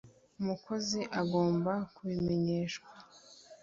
umukozi agomba kubimenyeshwa